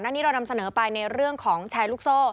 อันนี้เรานำเสนอไปในเรื่องของแชร์ลูกโซ่